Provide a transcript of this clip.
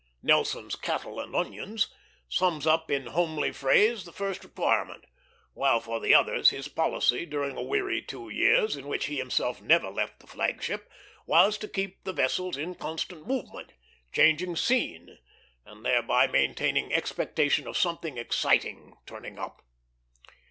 Nelson's "cattle and onions" sums up in homely phrase the first requirement; while, for the others, his policy during a weary two years, in which he himself never left the flag ship, was to keep the vessels in constant movement, changing scene, and thereby maintaining expectation of something exciting turning up.